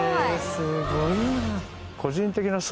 すごいな！